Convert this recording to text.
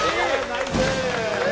ナイス！